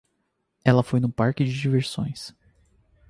Ela foi no parque de diversões.